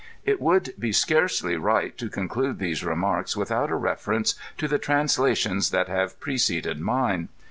It would be scarcely right to conclude these remarks with out a reference to the translations that have preceded mine.